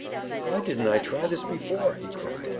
"Why didn't I try this before?" he cried.